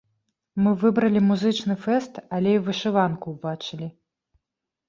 Мы выбралі музычны фэст, але і вышыванку ўбачылі.